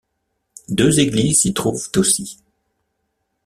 Deux églises s'y trouvent aussi.